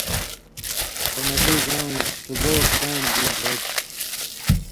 سو مٹی زاں وَیں سُگاؤ کان٘ڑ دی بھېٹیۡ تھی۔